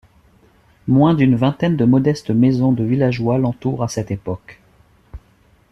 Moins d'une vingtaine de modestes maisons de villageois l'entourent à cette époque.